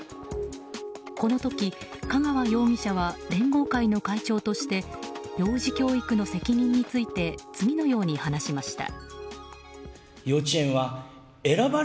この時、香川容疑者は連合会の会長として幼児教育の責任について次のように話しました。